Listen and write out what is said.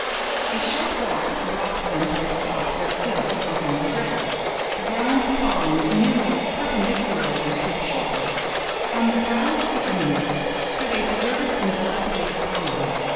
A short walk brought them to a spot where the hill overhung the river, the ground falling nearly perpendicularly to the shore. On the brow of the eminence stood a deserted and dilapidated barn.